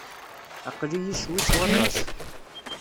Aql-iyi ccwi s waṭas.